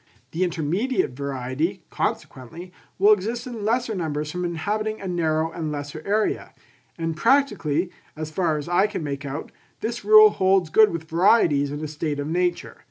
The intermediate variety, consequently, will exist in lesser numbers from inhabiting a narrow and lesser area; and practically, as far as I can make out, this rule holds good with varieties in a state of nature.